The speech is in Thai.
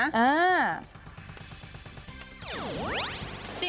อ่า